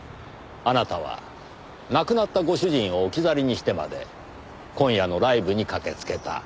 あなたは亡くなったご主人を置き去りにしてまで今夜のライブに駆けつけた。